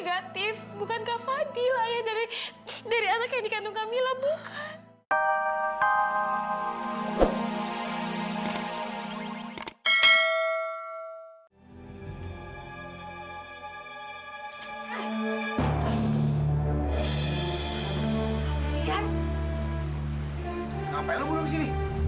dari anak yang dikandung kami lah bukan